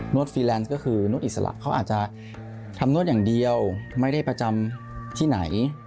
วดฟรีแลนด์ก็คือนวดอิสระเขาอาจจะทำนวดอย่างเดียวไม่ได้ประจำที่ไหน